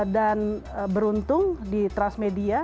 dan beruntung di transmedia